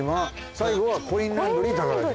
最後はコインランドリー宝島。